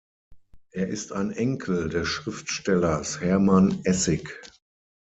Er ist ein Enkel des Schriftstellers Hermann Essig.